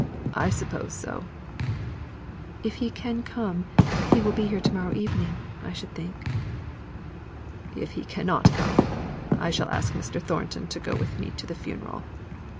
"I suppose so." "If he can come, he will be here to morrow evening, I should think." "If he cannot come, I shall ask Mr. Thornton to go with me to the funeral.